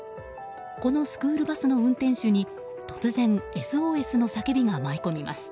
このスクールバスの運転手に突然、ＳＯＳの叫びが舞い込みます。